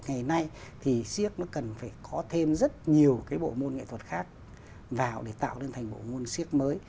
ngày nay thì siếc nó cần phải có thêm rất nhiều cái bộ môn nghệ thuật khác vào để tạo lên thành bộ môn siếc mới